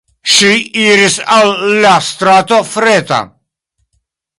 Ŝi iris al la strato Freta.